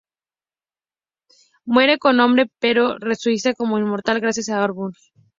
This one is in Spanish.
Muere como hombre, pero resucita como inmortal gracias a Anubis.